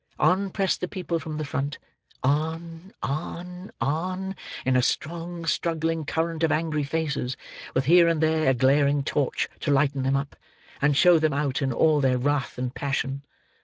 On pressed the people from the front—on, on, on, in a strong struggling current of angry faces, with here and there a glaring torch to lighten them up, and show them out in all their wrath and passion.